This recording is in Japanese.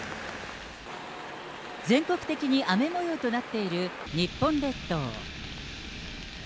全国的に雨もようとなっている日本列島。